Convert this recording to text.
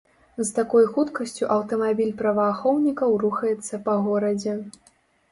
З такой хуткасцю аўтамабіль праваахоўнікаў рухаецца па горадзе.